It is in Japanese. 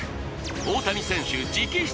大谷選手直筆